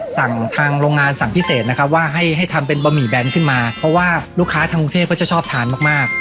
ทางโรงงานสั่งพิเศษนะครับว่าให้ให้ทำเป็นบะหมี่แบนขึ้นมาเพราะว่าลูกค้าทางกรุงเทพก็จะชอบทานมากมาก